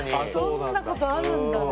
そんなことあるんだね。